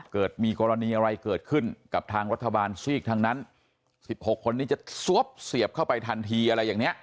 เกิดมีกรณีอะไรเกิดขึ้นกับทางรัฐบาลซีกทางนั้น๑๖คนนี้จะซวบเสียบเข้าไปทันทีอะไรอย่างนี้